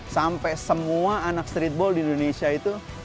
sampai semua anak streetball di indonesia itu